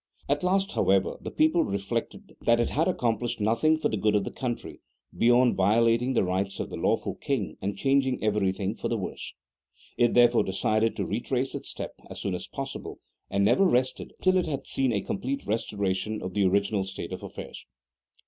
At last, however, the people reflected that it had accomplished nothing for the good of the country beyond violating the rights of the law ful king and changing everything for the worse. It there fore decided to retrace its steps as soon as possible, and never rested till it had seen a complete restoration of the original state of affairs.